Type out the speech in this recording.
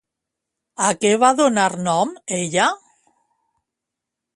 A què va donar nom ella?